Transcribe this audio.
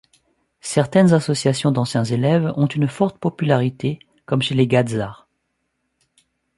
Certaines associations d'anciens élèves ont une forte popularité, comme chez les Gadzarts.